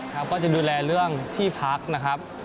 ก็จะดูแลเรื่องที่พักนะครับ